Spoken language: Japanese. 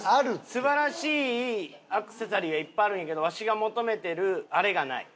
素晴らしいアクセサリーがいっぱいあるんやけどわしが求めてるあれがない。